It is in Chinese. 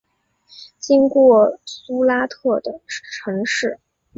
经过苏拉特等城市。